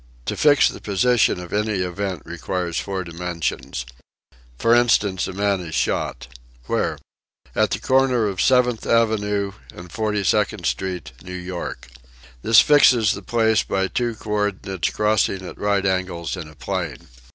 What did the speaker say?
To fix the position of any event requires four dimensions. For instance, a man is shot. Where? At the comer of 7th Avenue and 426. Street, New York. This fixes the place by two coordinates crossing at right angles in a plane.